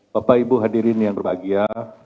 bapak ibu hadirin yang berbahagia